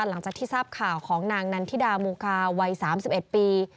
หลังจากที่ทราบข่าวของนางนันทิดามูกาวัย๓๑ปี